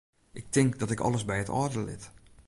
Ik tink dat ik alles by it âlde lit.